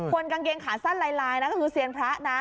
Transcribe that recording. คนกางเกงขาสั้นไลนรายดูเซียนพระนะ